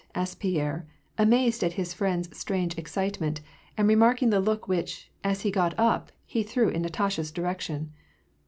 asked Pierre, amazed at his friend's strange excitement, and remarking the look which, as he got up, he threw in Natasha's direction.